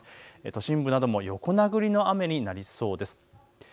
都心部なども横殴りの雨になりそうです。